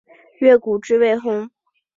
越谷治未婚。